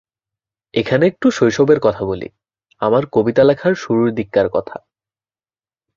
এখানে একটু শৈশবের কথা বলি, আমার কবিতা লেখার শুরুর দিককার কথা।